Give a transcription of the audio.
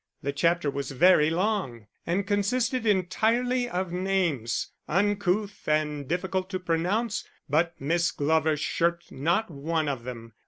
The chapter was very long, and consisted entirely of names, uncouth and difficult to pronounce; but Miss Glover shirked not one of them.